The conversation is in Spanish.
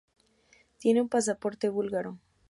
Tiene un pasaporte búlgaro.